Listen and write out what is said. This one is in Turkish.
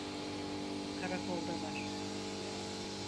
Karakoldalar…